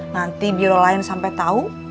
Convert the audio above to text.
nanti biro lain sampai tahu